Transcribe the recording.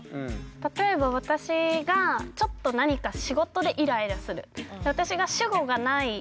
例えば私がちょっと何か仕事でイライラする。